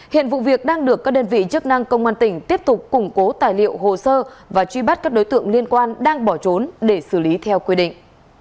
hiện vụ việc đang được các đơn vị chức năng công an tỉnh tiếp tục củng cố tài liệu hồ sơ và truy bắt các đối tượng liên quan đang bỏ trốn để xử lý theo quy định